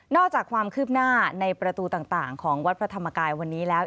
จากความคืบหน้าในประตูต่างของวัดพระธรรมกายวันนี้แล้ว